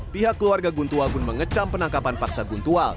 pihak keluarga guntual pun mengecam penangkapan paksa guntual